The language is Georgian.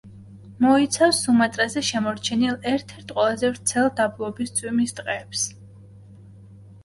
მოიცავს სუმატრაზე შემორჩენილ ერთ–ერთ ყველაზე ვრცელ დაბლობის წვიმის ტყეებს.